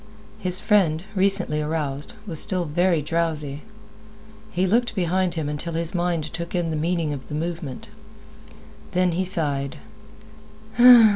His friend, recently aroused, was still very drowsy. He looked behind him until his mind took in the meaning of the movement. Then he sighed.